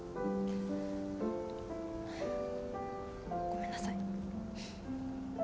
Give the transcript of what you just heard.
ごめんなさい。